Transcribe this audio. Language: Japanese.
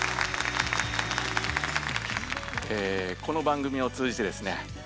この番組をつうじてですね